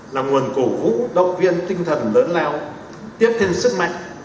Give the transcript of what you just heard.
là nguồn cổ vũ động viên tinh thần lớn lao tiếp thêm sức mạnh